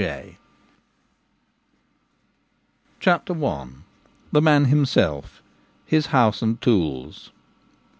THE MAN HIMSELF — HIS HOUSE, AND TOOLS.